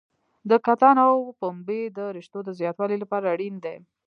د کتان او پنبې د رشتو د زیاتوالي لپاره اړین دي.